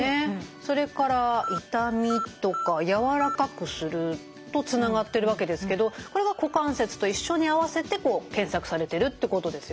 それから「痛み」とか「柔らかくする」とつながってるわけですけどこれが「股関節」と一緒にあわせて検索されてるってことですよね？